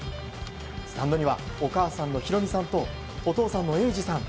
スタンドにはお母さんの弘美さんとお父さんの英治さん。